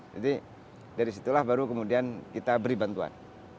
jadi dari situlah baru kemudian kita beri bantuan